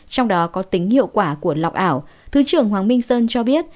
trong đó có tính hiệu quả của lọc ảo thứ trưởng hoàng minh sơn cho biết